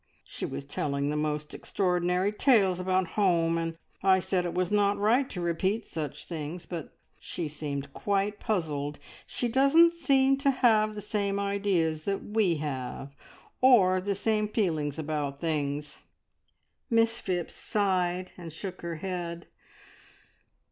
She was telling the most extraordinary tales about home, and I said it was not right to repeat such things, but she seemed quite puzzled. She doesn't seem to have the same ideas that we have, or the same feelings about things." Miss Phipps sighed, and shook her head.